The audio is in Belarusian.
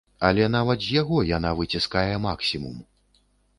Але нават з яго яна выціскае максімум.